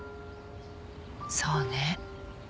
そうね。